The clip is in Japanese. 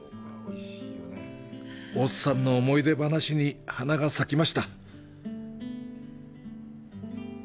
大津さんの思い出話に花が咲きました。